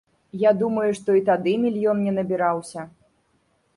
Я думаю, што і тады мільён не набіраўся.